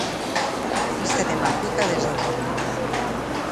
Vista de Malpica deste o porto.